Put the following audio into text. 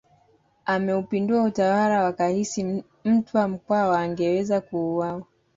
Ameupindua utawala wakahisi Mtwa Mkwawa angeweza kuuawa